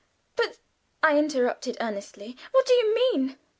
"But," I interrupted, earnestly, "what do you mean?